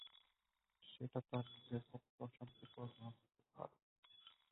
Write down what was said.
সেটা তার নিজের পক্ষে অশান্তিকর না হতে পারে।